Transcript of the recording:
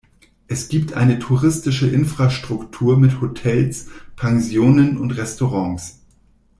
Es gibt eine touristische Infrastruktur mit Hotels, Pensionen und Restaurants.